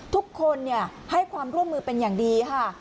ทุกคนให้ความร่วมมือเป็นอย่างดีค่ะ